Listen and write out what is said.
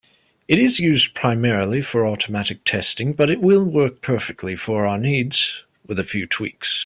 It is used primarily for automated testing, but it will work perfectly for our needs, with a few tweaks.